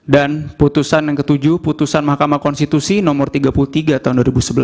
dan putusan yang ketujuh putusan mahkamah konstitusi no tiga puluh tiga tahun dua ribu sebelas